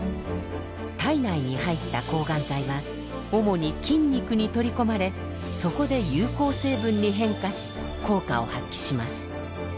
体内に入った抗がん剤は主に筋肉に取り込まれそこで有効成分に変化し効果を発揮します。